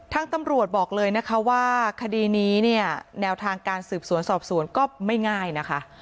ทางตำรวจบอกเลยนะคะว่าคดีนี้เนี่ยแนวทางการสืบสวนสอบสวนก็ไม่ง่ายนะคะ